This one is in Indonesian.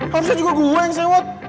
harusnya juga gue main sewot